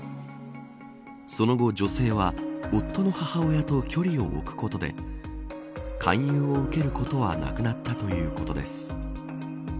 その後、女性は夫の母親と距離を置くことで勧誘を受けることはなくなったということです。